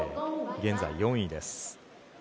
現在４位です。